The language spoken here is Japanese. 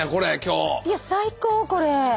いや最高これ。